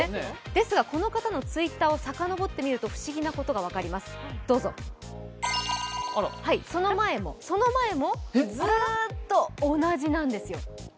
ですが、この方のＴｗｉｔｔｅｒをさかのぼってみると不思議なことが分かります、どうぞその前も、その前も、ずーっと同じなんですよ。